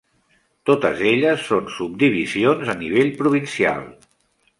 Totes elles són subdivisions a nivell provincial.